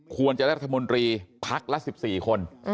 ควรจะได้รัฐมนตรีพักละ๑๔คน